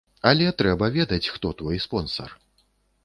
Але трэба ведаць, хто твой спонсар.